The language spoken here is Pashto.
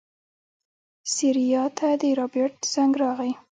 سېرېنا ته د رابرټ زنګ راغی.